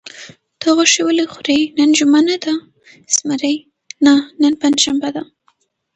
ته غوښې ولې خورې؟ نن جمعه نه ده؟ زمري: نه، نن پنجشنبه ده.